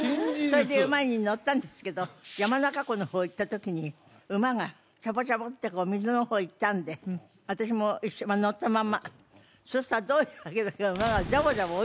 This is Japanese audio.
それで馬に乗ったんですけど山中湖の方行った時に馬がチャポチャポって水の方行ったんで私も一緒に乗ったまんまそしたらどういうわけかあらら！